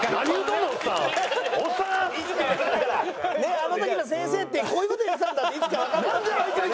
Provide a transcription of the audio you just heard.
あの時の先生ってこういう事言ってたんだっていつかわかるよ。